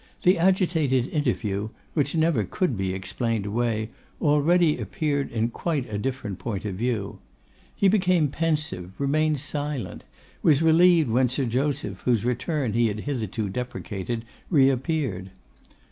The agitated interview, which never could be explained away, already appeared in quite a different point of view. He became pensive, remained silent, was relieved when Sir Joseph, whose return he had hitherto deprecated, reappeared.